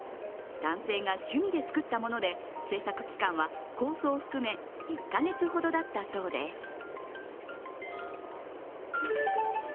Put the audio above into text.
男性が趣味で作ったもので制作期間は構想を含め１カ月ほどだったそうです。